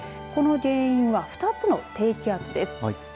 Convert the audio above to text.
この原因は２つの低気圧です。